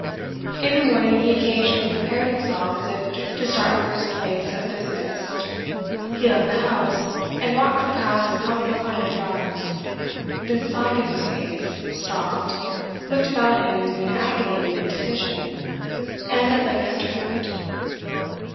In the morning he occasionally prepared himself as if to start for his place of business; he left the house, and walked for perhaps a couple of hundred yards, then slackened his pace, stopped, looked about him in an agony of indecision, and at length returned.